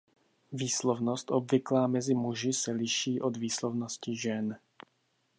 Výslovnost obvyklá mezi muži se liší od výslovnosti žen.